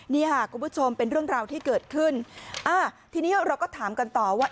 นี่ค่ะคุณผู้ชมเป็นเรื่องราวที่เกิดขึ้นอ่าทีนี้เราก็ถามกันต่อว่า